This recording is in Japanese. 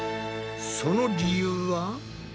その理由は？